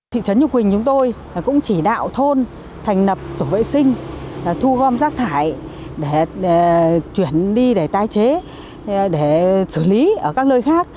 thị trấn nhục quỳnh chúng tôi cũng chỉ đạo thôn thành nập tổ vệ sinh thu gom rác thải để chuyển đi để tái chế để xử lý ở các nơi khác